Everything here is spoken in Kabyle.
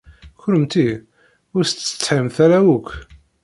Kennemti ur tettsetḥimt ara akk?